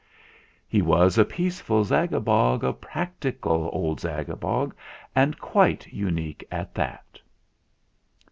He was a peaceful Zagabog, A practical old Zagabog, And quite unique at that.